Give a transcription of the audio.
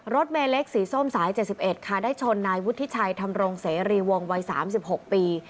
รถเมเล็กสีส้มสาย๗๑ค่ะได้ชนนายวุฒิชัยธรรมรงเสรีวงวัย๓๖ปี